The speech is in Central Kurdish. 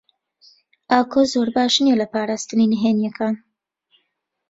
ئاکۆ زۆر باش نییە لە پاراستنی نهێنییەکان.